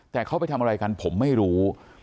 แต่เขาไปทำอะไรกันผมไม่รู้